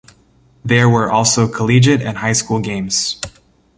There were also collegiate and high school games.